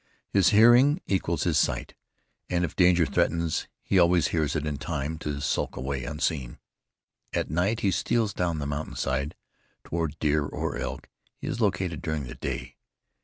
His hearing equals his sight, and if danger threatens, he always hears it in time to skulk away unseen. At night he steals down the mountain side toward deer or elk he has located during the day.